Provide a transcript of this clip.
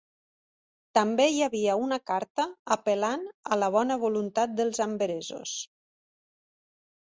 També hi havia una carta apel·lant a la bona voluntat dels anveresos.